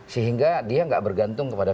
sehingga dia nggak bergantung kepada